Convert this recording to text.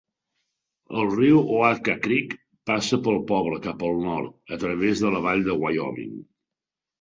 El riu Oatka Creek passa pel poble cap al nord a través de la Vall de Wyoming.